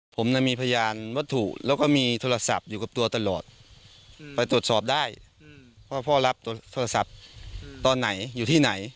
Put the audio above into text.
ผมมีพยานวัตถุแล้วก็มีโทรศัพท์อยู่กับตัวตลอดไปตรวจสอบได้ว่าพ่อรับโทรศัพท์ตอนไหนอยู่ที่ไหน